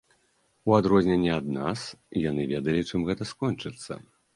У адрозненне ад нас, яны ведалі, чым гэта скончыцца.